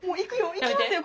行きますよ